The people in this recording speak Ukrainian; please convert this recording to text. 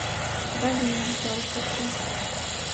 Далі їм не стало харчу.